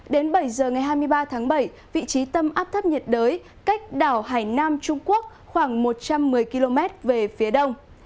đến bảy giờ ngày hai mươi ba tháng bảy vị trí tâm áp thấp nhiệt đới cách đảo hải nam trung quốc khoảng một trăm một mươi km về phía đông